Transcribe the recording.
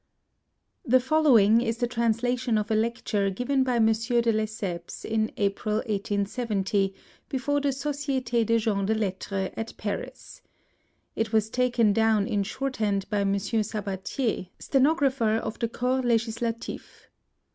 The following is the translation of a lecture given by Monsieur de Lesseps in April 1870, before the Soci^t^ des Gens de Lettres at Paris. It was taken down in shorthand by Monsieur Sabbatier, stenographer of the Corps Legislatif.